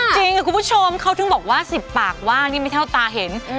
จริงคุณผู้ชมเขาถึงบอกว่า๑๐ปากว่างนี่ไม่เท่าตาเห็น